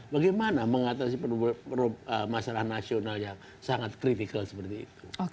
bagaimana mengatasi masalah nasional yang sangat kritikal seperti itu